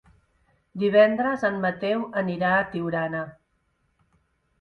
Divendres en Mateu anirà a Tiurana.